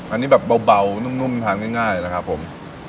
อันนี้แบบเบานุ่มทานง่ายนะครับผม